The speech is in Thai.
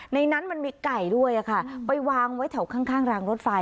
นั้นมันมีไก่ด้วยไปวางไว้แถวข้างรางรถไฟ